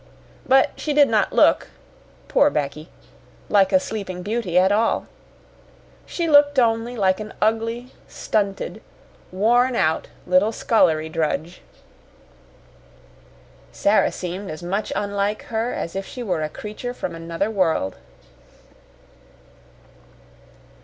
But she did not look poor Becky like a Sleeping Beauty at all. She looked only like an ugly, stunted, worn out little scullery drudge. Sara seemed as much unlike her as if she were a creature from another world.